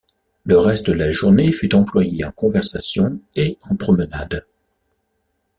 Le reste de la journée fut employé en conversations et en promenades.